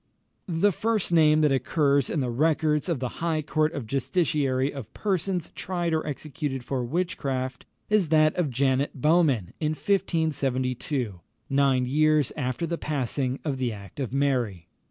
The first name that occurs in the records of the High Court of Justiciary of persons tried or executed for witchcraft, is that of Janet Bowman in 1572, nine years after the passing of the act of Mary.